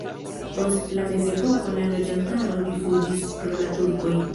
Post la mezepoko la loĝantaro rifuĝis pro la turkoj.